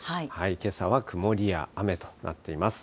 けさは曇りや雨となっています。